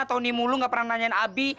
tahun ini mulu gak pernah nanyain abi